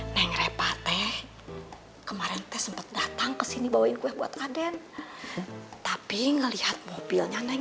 neng repa teh kemarin teh sempet datang kesini bawain kue buat aden tapi ngelihat mobilnya neng